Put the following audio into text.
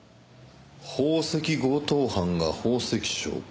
宝石強盗犯が宝石商か。